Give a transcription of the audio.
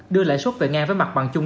đưa lãi suất về ngang với mặt bằng chung